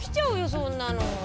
そんなの！